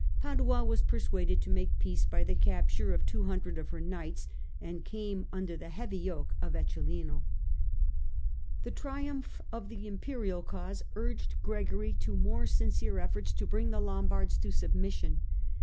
Padua was persuaded to make peace by the capture of two hundred of her knights, and came under the heavy yoke of Eccelin. The triumph of the Imperial cause urged Gregory to more sincere efforts to bring the Lombards to submis sion.